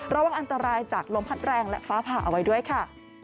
ระวังอันตรายจากลมพัดแรงและฟ้าผ่าเอาไว้ด้วยค่ะ